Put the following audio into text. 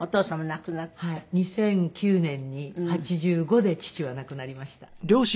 ２００９年に８５で父は亡くなりました。